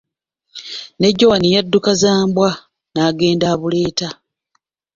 Ne Jowani yadduka za mbwa, n'agenda abuleeta.